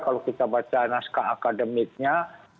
kalau kita baca naskah akademiknya